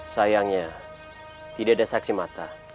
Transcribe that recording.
sayangnya tidak ada saksi mata